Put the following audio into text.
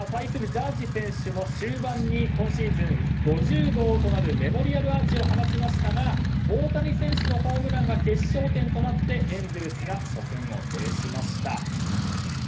ジャッジ選手も終盤に今シーズン５０号となるメモリアルアーチを放ちましたが大谷選手のホームランが決勝点となってエンゼルスが初戦を制しました。